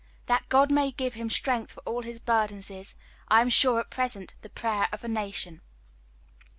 That God may give him strength for all his burdens is, I am sure, at present the prayer of a nation."